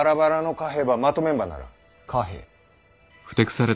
貨幣。